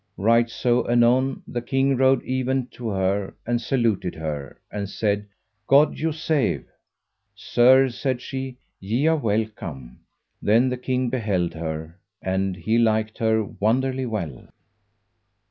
Right so anon the king rode even to her, and saluted her, and said: God you save. Sir, said she, ye are welcome. Then the king beheld her, and liked her wonderly well.